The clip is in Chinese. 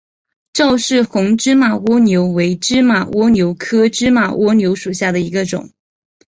赵氏红芝麻蜗牛为芝麻蜗牛科芝麻蜗牛属下的一个种。